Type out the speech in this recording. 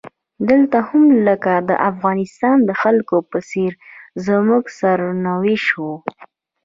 دلته هم لکه د افغانستان د خلکو په څیر زموږ سرنوشت و.